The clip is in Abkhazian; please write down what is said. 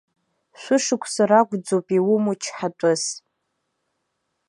Шәышықәса ракәӡоуп иумоу чҳатәыс!